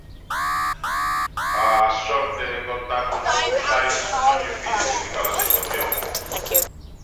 A "sorte" de contar con sucursais non lle impide criticar a situación.